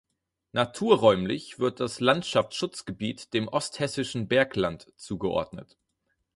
Naturräumlich wird das Landschaftsschutzgebiet dem „Osthessischen Bergland“ zugeordnet.